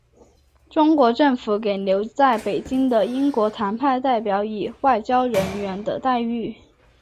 中国政府给留在北京的英国谈判代表以外交人员的待遇。